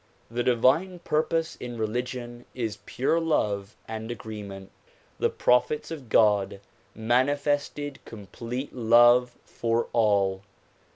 The divine purpose in religion is pure love and agreement. The prophets of God manifested complete love for all.